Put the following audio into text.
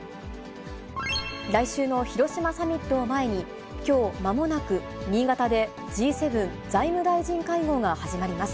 来週の広島サミットを前に、きょう、まもなく新潟でＧ７財務大臣会合が始まります。